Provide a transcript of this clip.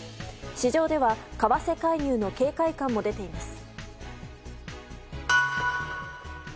市場では為替介入の警戒感も出ています。